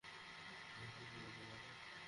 খুব বেশি হয়ে গেছে, তাই না?